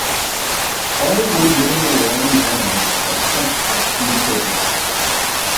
All songs written by Warren Zevon except as indicated.